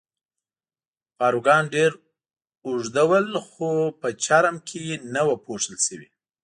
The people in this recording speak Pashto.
پاروګان ډېر اوږد ول، خو په چرم کې نه وو پوښل شوي.